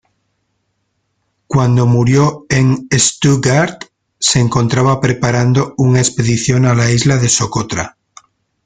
Cuando murió en Stuttgart se encontraba preparando una expedición a la isla de Socotra.